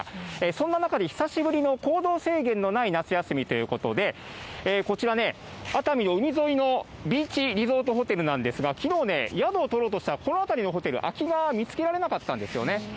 そんな中で、久しぶりの行動制限のない夏休みということで、こちらね、熱海の海沿いのビーチリゾートホテルなんですが、きのう、宿を取ろうとしたら、この辺りのホテル、空きが見つけられなかったんですよね。